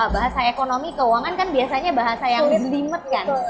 bahasa ekonomi keuangan kan biasanya bahasa yang dilimet kan